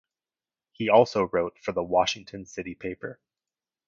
He also wrote for the "Washington City Paper".